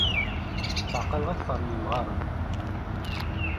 Ttɛeqqleɣ akter n yimɣaren.